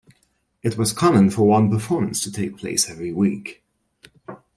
It was common for one performance to take place every week.